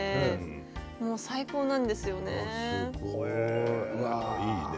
もう最高なんですよね。